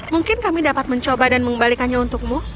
mungkin kami dapat mencoba dan mengembalikannya untukmu